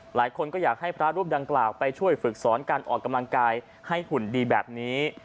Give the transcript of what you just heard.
หลายคนก็อยากให้พระรูปดังกล่าวไปช่วยฝึกสอนการออกกำลังกายให้หุ่นดีแบบนี้